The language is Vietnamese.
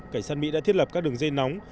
cảnh sát mỹ đã thiết lập các đường dây nóng